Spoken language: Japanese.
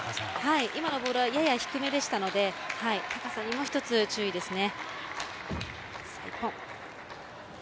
今のボールはやや低めでしたので高さにも１つ注意ですね。